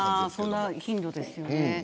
そんな頻度ですよね。